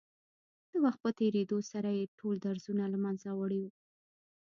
د وخت په تېرېدو سره يې ټول درځونه له منځه وړي.